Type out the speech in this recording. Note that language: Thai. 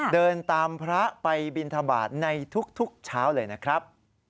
เดินตามพระไปบินทบาทในทุกเช้าเลยนะครับ